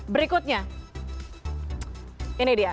berikutnya ini dia